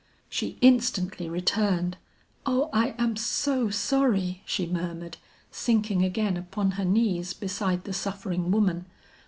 She instantly returned. "O I am so sorry," she murmured, sinking again upon her knees beside the suffering woman.